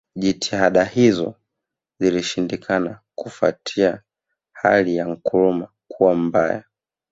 Jitihada hizo zilishindikana kufuatia hali ya Nkrumah Kuwa mbaya